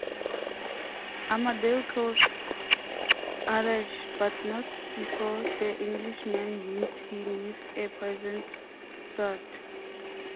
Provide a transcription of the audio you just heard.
Amadeo kills Harlech, but not before the Englishman wounds him with a poisoned sword.